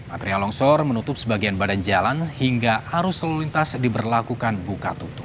material longsor menutup sebagian badan jalan hingga arus lalu lintas diberlakukan buka tutup